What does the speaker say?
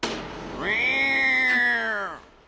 うわ！